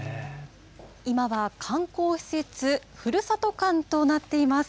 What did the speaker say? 今は観光施設、ふるさと館となっています。